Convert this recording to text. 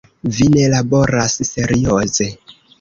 Vi ne laboras serioze.